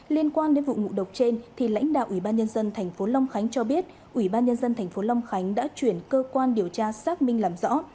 liên quan đến vụ ngộ độc trên lãnh đạo ủy ban nhân dân thành phố long khánh cho biết ủy ban nhân dân thành phố long khánh đã chuyển cơ quan điều tra xác minh làm rõ